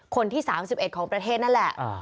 คนที่๓๑ของประเทศนั่นแหละ